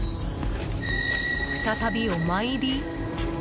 再び、お参り？